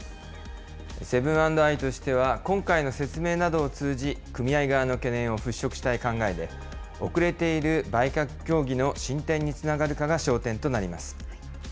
セブン＆アイとしては、今回の説明などを通じ、組合側の懸念を払拭したい考えで、遅れている売却協議の進展につながるかが焦点となります。